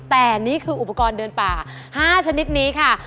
แต่นี่คืออุปกรณ์เดินป่า๕ชนิดนี้ค่ะ